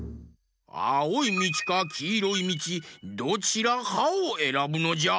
あおいみちかきいろいみちどちらかをえらぶのじゃ。